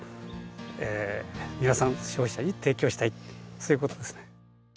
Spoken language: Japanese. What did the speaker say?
そういうことですね。